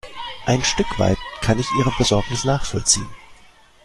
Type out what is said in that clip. Ein Stück weit kann ich ihre Besorgnis nachvollziehen.